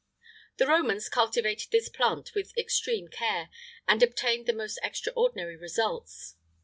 The Romans cultivated this plant with extreme care,[IX 50] and obtained the most extraordinary results.